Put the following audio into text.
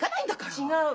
違う。